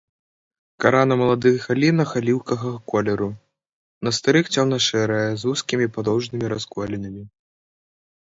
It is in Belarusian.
Кара на маладых галінах аліўкавага колеру, на старых цёмна-шэрая з вузкімі падоўжнымі расколінамі.